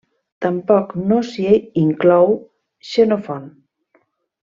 Tampoc no s'hi inclou Xenofont.